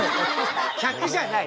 客じゃない。